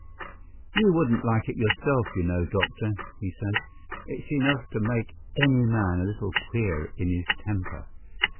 "You wouldn't like it yourself, you know, doctor," he said: "it's enough to make any man a little queer in his temper.